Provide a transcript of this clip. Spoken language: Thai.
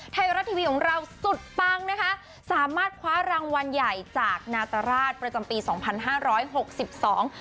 ไทยรัฐทีวีของเราสุดปังนะคะสามารถคว้ารางวัลใหญ่จากนาตราชประจำปีสองพันห้าร้อยหกสิบสอง